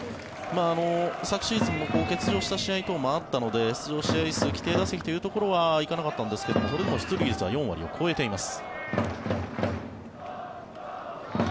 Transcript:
昨シーズン欠場した試合もあったので規定打席というところはいなかったんですがそれでも出塁率は４割を超えています。